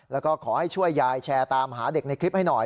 แล้วก็ขอให้ช่วยยายแชร์ตามหาเด็กในคลิปให้หน่อย